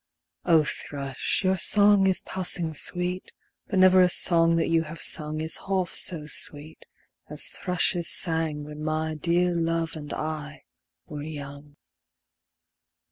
O Thrush, your song is passing sweet, But never a song that you have sung Is half so sweet as thrushes sang When my dear love and I were young.